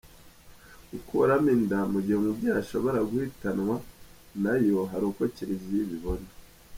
Gukuramo inda mu gihe umubyeyi ashobora guhitanwa nayo hari uko Kiliziya ibibona.